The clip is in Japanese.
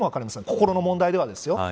心の問題ではですよ。